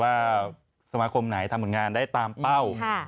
ว่าสมาคมไหนทำผลงานได้ตามเป้า